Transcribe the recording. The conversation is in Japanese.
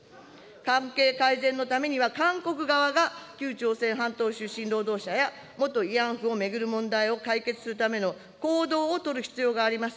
関係改善のためには、韓国側が旧朝鮮半島出身労働者や元慰安婦を巡る問題を解決するための行動を取る必要があります。